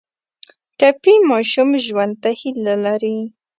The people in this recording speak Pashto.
ټپي ماشوم ژوند ته هیله لري.